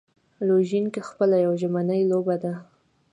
لوژینګ خپله یوه ژمنی لوبه ده.